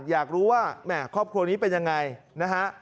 อยากรู้ว่าแม่ครอบครัวนี้เป็นยังไงนะฮะ